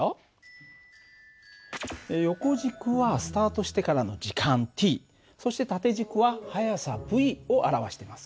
横軸はスタートしてからの時間ｔそして縦軸は速さυを表してます。